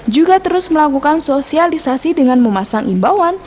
juga terus melakukan sosialisasi dengan memasang imbauan